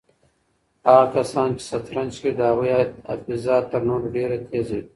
هغه کسان چې شطرنج کوي د هغوی حافظه تر نورو ډېره تېزه وي.